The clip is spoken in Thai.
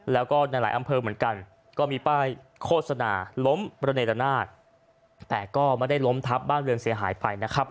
แล้วก็ในหลายอำเภอเหมือนกันก็มีป้ายโฆษณาล้มระเนรนาศแต่ก็ไม่ได้ล้มทับบ้านเรือนเสียหายไปนะครับ